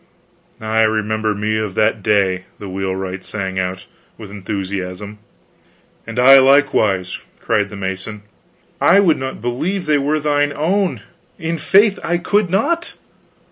"I remember me of that day!" the wheelwright sang out, with enthusiasm. "And I likewise!" cried the mason. "I would not believe they were thine own; in faith I could not."